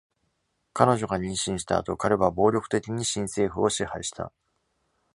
彼女が妊娠した後、彼は暴力的に秦政府を支配した。